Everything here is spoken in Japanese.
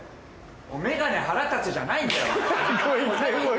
「メガネ腹立つ！」じゃないんだよ。